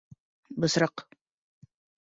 Бысраҡ